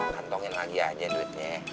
kantongin lagi aja duitnya